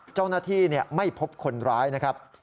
เจ้าหน้าที่ไม่พบคนร้ายนะครับ